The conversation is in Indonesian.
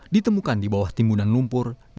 ditemukan di bawah timbunan lumpur